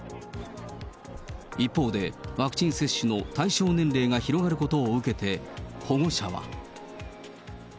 一方で、ワクチン接種の対象年齢が広がることを受けて、保護者は。